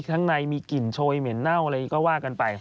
หินโชยเหมือนเน่าอะไรก็ว่ากันไป